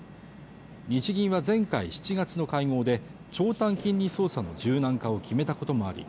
日銀は前回７月の会合で長短金利操作の柔軟化を決めたこともあり